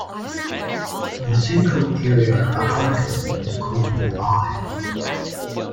The central area of a hurricane is called the eye